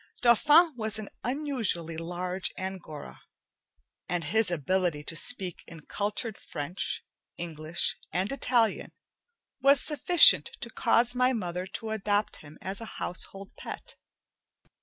Dauphin was an unusually large Angora, and his ability to speak in cultured French, English, and Italian was sufficient to cause my mother to adopt him as a household pet.